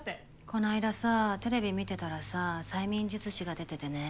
こないださテレビ見てたらさ催眠術師が出ててね